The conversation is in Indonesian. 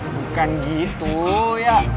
bukan gitu ya